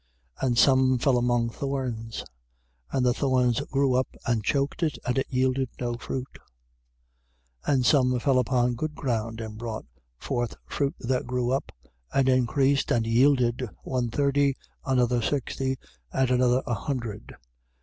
4:7. And some fell among thorns; and the thorns grew up, and choked it, and it yielded no fruit. 4:8. And some fell upon good ground; and brought forth fruit that grew up, and increased and yielded, one thirty, another sixty, and another a hundred.